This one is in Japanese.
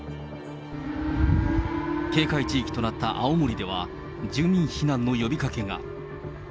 警戒地域となった青森では、住民避難の呼びかけが。